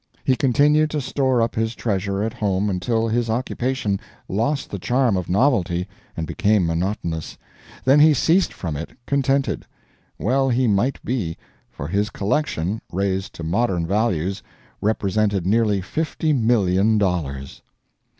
He continued to store up his treasures at home until his occupation lost the charm of novelty and became monotonous; then he ceased from it, contented. Well he might be; for his collection, raised to modern values, represented nearly fifty million dollars!